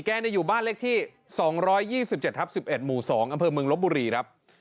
อยู่บ้านเลขที่๒๒๗ทับ๑๑หมู่๒อำเภอเมืองลบบุรีครับ